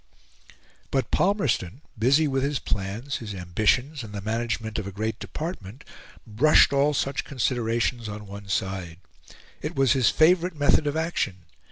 But Palmerston, busy with his plans, his ambitions, and the management of a great department, brushed all such considerations on one side; it was his favourite method of action.